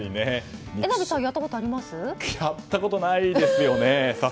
やったことないですよね